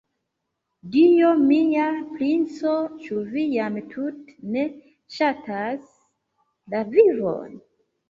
Dio mia, princo, ĉu vi jam tute ne ŝatas la vivon?